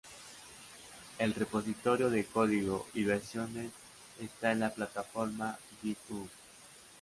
El repositorio de código y versiones está en la plataforma Github.